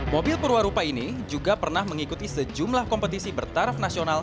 mobil perwarupa ini juga pernah mengikuti sejumlah kompetisi bertaraf nasional